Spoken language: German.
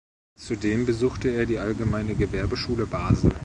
Zudem besuchte er die Allgemeine Gewerbeschule Basel.